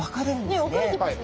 ねっ分かれてますね。